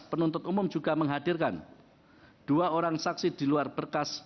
penuntut umum juga menghadirkan dua orang saksi di luar berkas